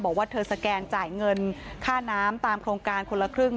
บอกว่าเธอสแกนจ่ายเงินค่าน้ำตามโครงการคนละครึ่ง